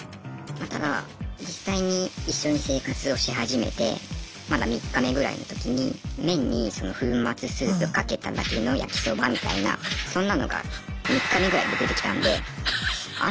ただ実際に一緒に生活をし始めてまだ３日目ぐらいの時に麺に粉末スープかけただけの焼きそばみたいなそんなのが３日目ぐらいで出てきたんであれ？